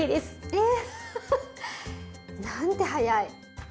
えっ？なんて早い。